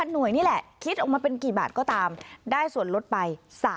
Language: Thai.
หน่วยนี่แหละคิดออกมาเป็นกี่บาทก็ตามได้ส่วนลดไป